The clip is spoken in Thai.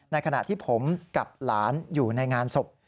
ขณะที่ผมกับหลานอยู่ในงานศพ